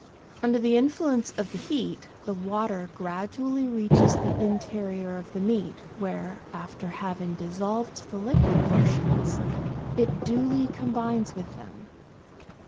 Under the influence of the heat, the water gradually reaches the interior of the meat, where, after having dissolved the liquid portions, it duly com bines with them.